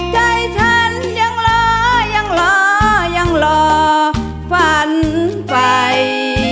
ใจฉันยังรอยังรอยังรอฝันไป